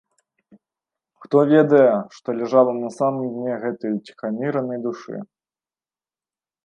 Хто ведае, што ляжала на самым дне гэтай уціхаміранай душы?